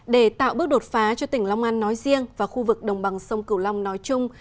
để tạo bước đột phá cho tỉnh long an nói riêng và khu vực đồng bằng sông cửu long nói chung